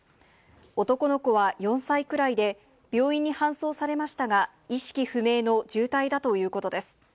男の子は４歳くらいで、病院に搬送されましたが、意識不明の重体だということです。